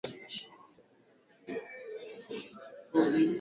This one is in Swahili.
hutoa takwimu na orodha ya hali ya waandishi wa habari